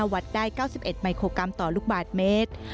วัดได้๙๑มิโครกรัมต่อลูกบาทเมตร